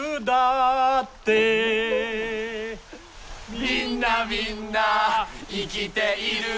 「みんなみんな生きているんだ」